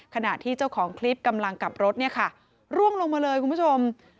ขณะที่เจ้าของคลิปกำลังกลับรถเนี่ยค่ะร่วงลงมาเลยคุณผู้ชม